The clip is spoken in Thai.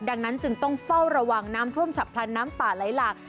ดังนั้นจึงต้องเฝ้าระวังน้ำท่วมฉับพลันน้ำป่าไหลหลาก